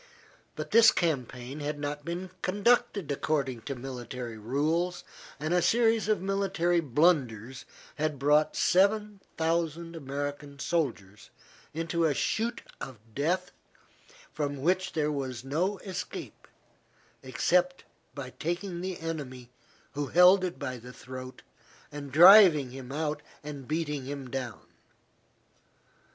But this campaign had not been conducted according to military rules, and a series of military blunders had brought seven thousand American soldiers into a chute of death from which there was no escape except by taking the enemy who held it by the throat and driving him out and beating him down.